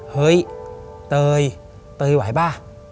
เฮ้ยเตยเตยไหวป่ะ